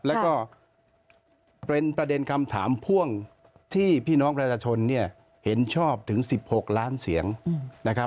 แล้วก็เป็นประเด็นคำถามพ่วงที่พี่น้องประชาชนเนี่ยเห็นชอบถึง๑๖ล้านเสียงนะครับ